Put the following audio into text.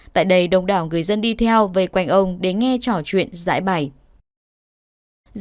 tại đây đông đảo người dân đi theo về quanh ông để nghe trò chuyện giải bài